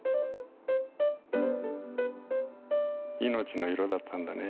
「いのちの色」だったんだね。